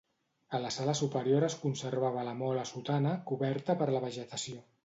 A la sala superior es conservava la mola sotana, coberta per la vegetació.